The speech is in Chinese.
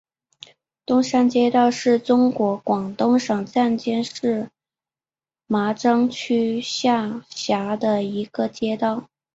东山街道是中国广东省湛江市麻章区下辖的一个街道。